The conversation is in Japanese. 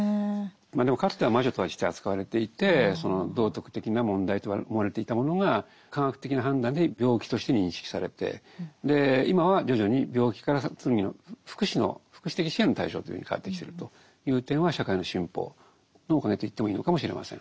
でもかつては魔女として扱われていて道徳的な問題と思われていたものが科学的な判断で病気として認識されて今は徐々に病気から次の福祉の福祉的支援の対象というふうに変わってきてるという点は社会の進歩のおかげと言ってもいいのかもしれません。